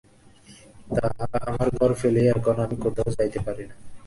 আমার ঘর ফেলিয়া এখন আমি কোথাও যাইতে পারি না।